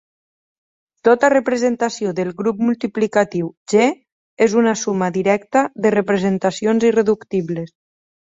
Tota representació del grup multiplicatiu "G" és una suma directa de representacions irreductibles.